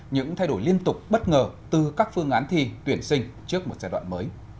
những thay đổi liên tục bất ngờ từ các phương án thi tuyển sinh trước một giai đoạn mới